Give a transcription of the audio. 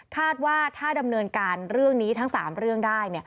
คาดว่าถ้าดำเนินการเรื่องนี้ทั้ง๓เรื่องได้